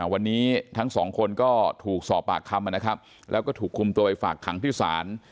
วันนี้ทั้งสองคนก็ถูกสอบปากคำนะครับแล้วก็ถูกคุมตัวไปฝากขังที่ศาล